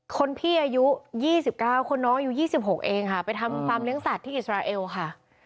คนพี่อายุ๒๙คนน้องอายุ๒๖เองค่ะไปทำฟาร์มเลี้ยสัตว์อิสราเอลค่ะ